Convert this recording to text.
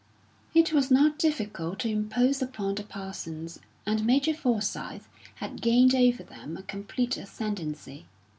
It was not difficult to impose upon the Parsons, and Major Forsyth had gained over them a complete ascendancy.